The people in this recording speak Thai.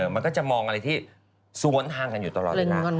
มันก็จะมองอะไรที่สวนทางกันอยู่ตลอดเวลา